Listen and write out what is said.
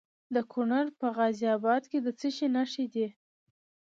د کونړ په غازي اباد کې د څه شي نښې دي؟